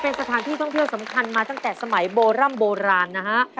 เป็นสถานที่ท่องเที่ยวสำคัญมาตั้งแต่สมัยโบร่ำโบราณนะฮะ